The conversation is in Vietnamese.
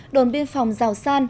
đồn biên phòng giào san